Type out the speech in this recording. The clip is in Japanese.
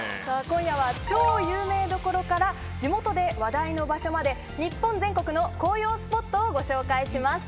今夜は超有名どころから地元で話題の場所まで日本全国の紅葉スポットをご紹介します。